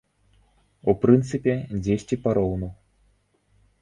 У прынцыпе, дзесьці пароўну.